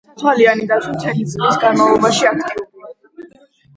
სათვალიანი დათვი მთელი წლის განმავლობაში აქტიურია.